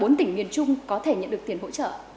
bốn tỉnh miền trung có thể nhận được tiền hỗ trợ